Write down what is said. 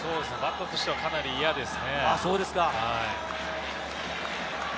バッターとしてはかなり嫌ですね。